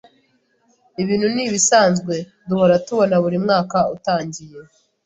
Ibintu nibisanzwe duhora tubona buri mwaka utangiye.